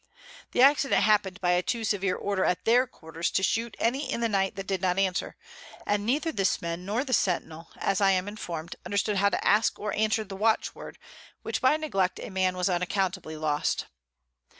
The Accident happen'd by a too severe Order at their Quarters to shoot any in the Night that did not answer; and neither this Man nor the Centinel, as I am informed, understood how to ask or answer the Watch word, by which Neglect a Man was unaccountably lost.